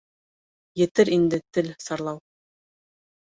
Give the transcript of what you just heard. Етер инде тел сарлау.